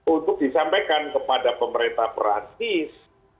untuk disampaikan kepada pemerintah perancis